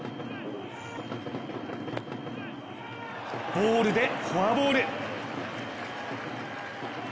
ボールでフォアボール。